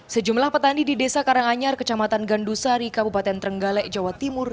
sejumlah petani di desa karanganyar kecamatan gandusari kabupaten trenggalek jawa timur